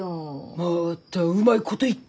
またうまいこと言って。